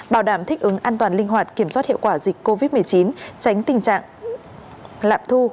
bảo đảm thích ứng an toàn linh hoạt kiểm soát hiệu quả dịch covid một mươi chín tránh tình trạng lạm thu